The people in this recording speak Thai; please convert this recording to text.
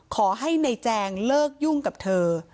ขอให้นายแจงเลิกยุ่งกับเธอ